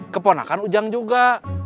keponakan ujang juga